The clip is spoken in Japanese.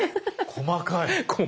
細かい。